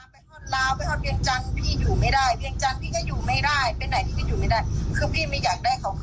เพราะว่าอยู่นิ่งนะเขาก็บอกให้พี่ไปข้างใน